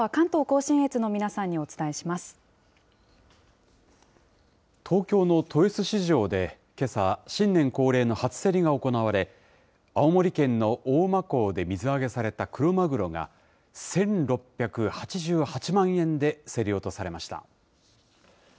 東京の豊洲市場でけさ、新年恒例の初競りが行われ、青森県の大間港で水揚げされたクロマグロが１６８８万円で競り落とされました。